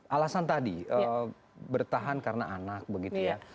alasan tadi bertahan karena anak begitu ya